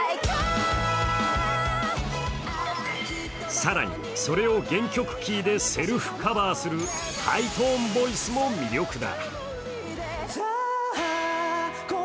更にそれを原曲キーでセルフカバーするハイトーンボイスも魅力だ。